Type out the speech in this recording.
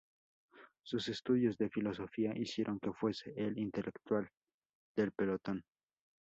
Sus estudios de filosofía hicieron que fuese el "intelectual" del pelotón.